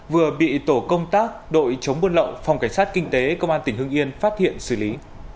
vừa bị tổ công tác đội chống buôn lậu phòng cảnh sát kinh tế công an tỉnh hưng yên phát hiện xử lý